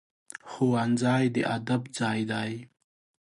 ښوونځی د ادب ځای دی